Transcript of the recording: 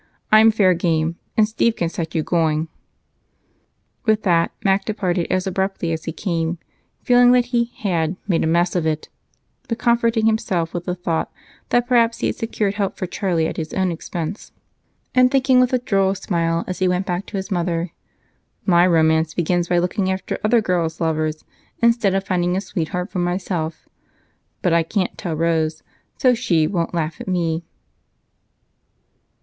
I'm fair game, and Steve can set you going." With that, Mac departed as abruptly as he had come, feeling that he had "made a mess" of it, but comforting himself with the thought that perhaps he had secured help for Charlie at his own expense and thinking with a droll smile as he went back to his mother: "My romance begins by looking after other girls' lovers instead of finding a sweetheart for myself, but I can't tell Rose, so she won't laugh at me."